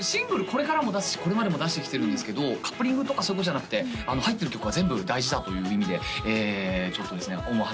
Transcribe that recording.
これからも出すしこれまでも出してきてるんですけどカップリングとかそういうことじゃなくて入ってる曲は全部大事だという意味でちょっとですね思い